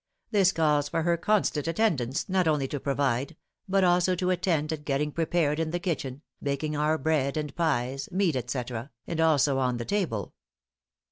This calls for her constant attendance, not only to provide, but also to attend at getting prepared in the kitchen, baking our bread and pies, meat, &c., and also on the table.